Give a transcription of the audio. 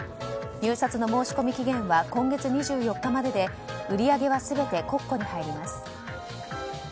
入札の申し込み期限は今月の２４日までで売り上げは全て国庫に入ります。